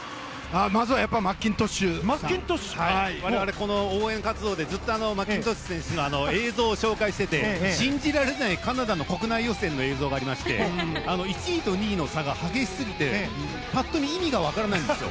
まずはマッキントッシュ我々、応援活動でマッキントッシュ選手の映像を紹介していて信じられないカナダの国内予選の映像がありまして１位と２位の差が激しすぎてパッと見意味がわからないんですよ。